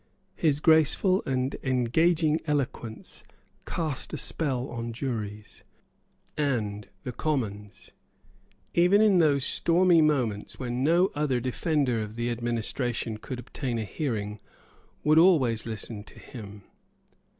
His graceful and engaging eloquence cast a spell on juries; and the Commons, even in those stormy moments when no other defender of the administration could obtain a hearing, would always listen to him.